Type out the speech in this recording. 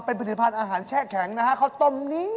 เป็นผลิตภาณอาหารแช่แข็งนะครับ